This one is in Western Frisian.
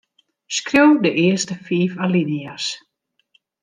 Skriuw de earste fiif alinea's.